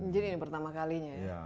jadi ini pertama kalinya ya